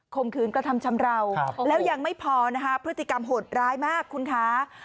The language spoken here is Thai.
มขืนกระทำชำราวแล้วยังไม่พอนะคะพฤติกรรมโหดร้ายมากคุณคะ